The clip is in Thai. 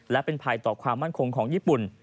และเป็นภัยต่อความมั่นคงของญี่ปุ่น